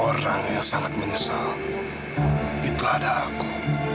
orang yang sangat menyesal itu adalah aku